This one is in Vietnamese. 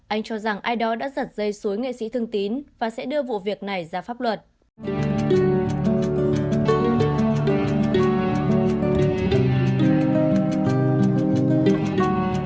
anh cho rằng ai đó đã giật dây xối nghệ sĩ thương tín và sẽ đưa vụ việc này ra pháp luật